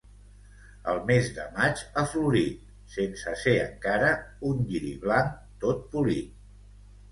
El mes de maig ha florit, sense ser encara, un lliri blanc tot polit